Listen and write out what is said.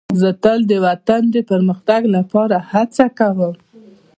زه تل د وطن د پرمختګ لپاره هڅه کوم.